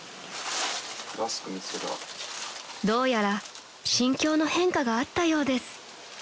［どうやら心境の変化があったようです］